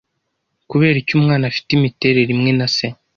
kubera iki Umwana afite imiterere imwe na Se